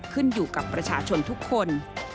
ขึ้นอยู่กับประชาชนทุกคน